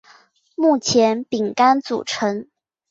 目前饼干组成。